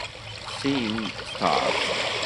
Seeing Stars